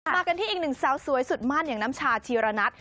กันที่อีกหนึ่งสาวสวยสุดมั่นอย่างน้ำชาชีระนัท